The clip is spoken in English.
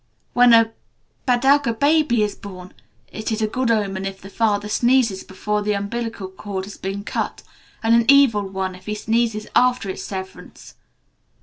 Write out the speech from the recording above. When a Badaga baby is born, it is a good omen if the father sneezes before the umbilical cord has been cut, and an evil one if he sneezes after its severance.